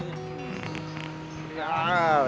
pegangan jangan lupa